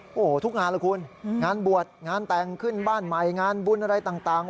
โอ้โหทุกงานล่ะคุณงานบวชงานแต่งขึ้นบ้านใหม่งานบุญอะไรต่าง